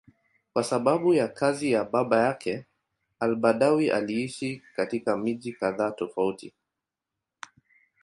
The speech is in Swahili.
Kwa sababu ya kazi ya baba yake, al-Badawi aliishi katika miji kadhaa tofauti.